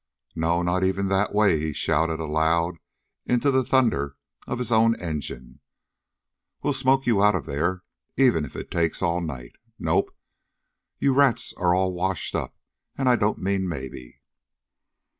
"No, not even that way!" he shouted aloud into the thunder of his own engine. "We'll smoke you out of there even if it takes all night. Nope! You rats are all washed up, and I don't mean maybe!"